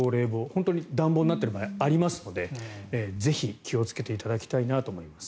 本当に暖房になっている場合ありますのでぜひ、気をつけていただきたいなと思います。